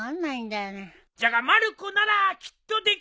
じゃがまる子ならきっとできる！